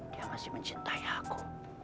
dia masih mencintai aku